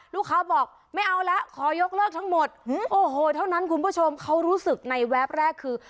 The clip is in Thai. ลูกค้าบอกไม่เอาแล้วขอยกเลิกทั้งหมดโอ้โหเท่านั้นคุณผู้ชมเขารู้สึกในแวบแรกคือ